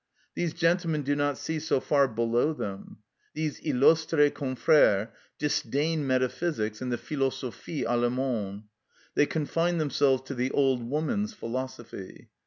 These gentlemen do not see so far below them. These illustres confrères disdain metaphysics and the philosophie allemande: they confine themselves to the old woman's philosophy.